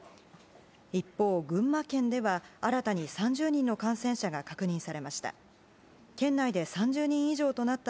一方、群馬県では新たに３０人の感染者が確認されました。